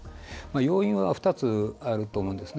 要因は２つあると思います。